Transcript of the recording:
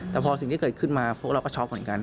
แต่พอสิ่งที่เกิดขึ้นมาพวกเราก็ช็อกเหมือนกัน